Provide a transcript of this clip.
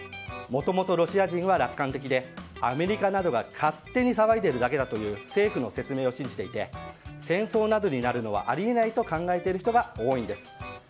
もともとロシア人は楽観的でアメリカなどが勝手に騒いでいるだけだという政府の説明を信じていて戦争などになるのはあり得ないと考えている人が多いんです。